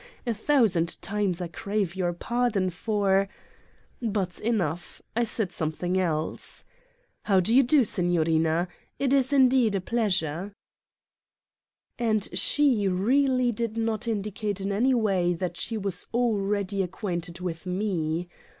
A thousand times I crave your pardon for " But enough. I said something else. "How do you do, Signorina. It is indeed a pleasure." 36 Satan's Diary And she really did not indicate in any way that she was already acquainted with Me.